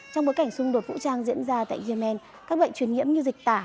trong bối cảnh xung đột vũ trang diễn ra tại yemen các bệnh truyền nhiễm như dịch tả